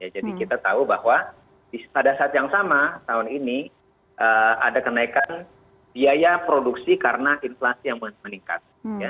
jadi kita tahu bahwa pada saat yang sama tahun ini ada kenaikan biaya produksi karena inflasi yang meningkat